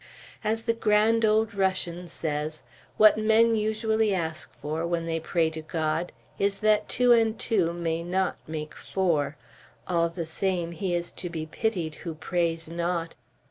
As the grand old Russian says, what men usually ask for, when they pray to God, is, that two and two may not make four. All the same he is to be pitied who prays not.